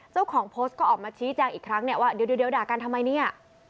เจ้าของโพสต์ก็ออกมาชี้แจงอีกครั้งเนี่ยว่าเดี๋ยวด่ากันทำไมเนี่ย